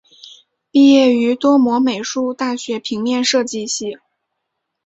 毕业于多摩美术大学平面设计系。